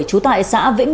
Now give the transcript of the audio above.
trú tại xã vĩnh bình